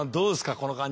この感じ。